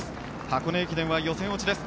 箱根駅伝は予選落ちです。